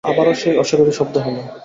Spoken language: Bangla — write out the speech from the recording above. আবারো সেই অশরীরী শব্দ হল।